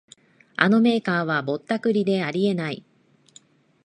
あのメーカーはぼったくりであり得ない